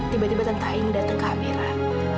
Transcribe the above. tiba tiba tentaing datang ke amirah